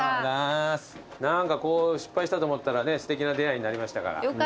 何かこう失敗したと思ったらすてきな出会いになりましたから。